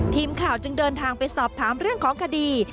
ทีมข่าวจึงเดินทางไปสอบถามเรื่องของคดี